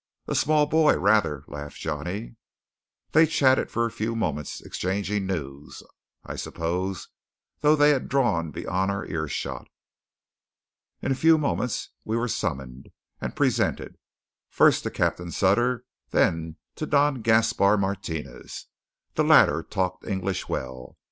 "A small boy, rather," laughed Johnny. They chatted for a few moments, exchanging news, I suppose, though they had drawn beyond our ear shot. In a few moments we were summoned, and presented; first to Captain Sutter, then to Don Gaspar Martinez. The latter talked English well.